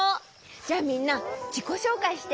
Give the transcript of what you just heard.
じゃあみんなじこしょうかいして。